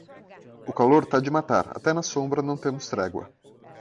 O calor tá de matar, até na sombra não temos trégua.